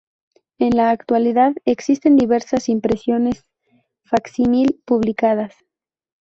En la actualidad existen diversas impresiones facsímil publicadas.